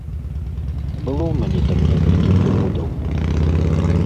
Было ў мяне там некалькі прыгодаў.